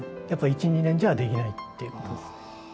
やっぱ１２年じゃできないっていうことです。